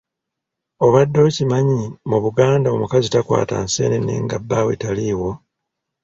Obadde okimanyi mu Buganda omukazi takwata nseenene nga bbaawe taliiwo.